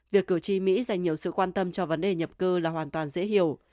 việc cử tri mỹ dành nhiều sự quan tâm cho vấn đề nhập cư là hoàn toàn dễ hiểu